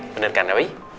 bener kan abi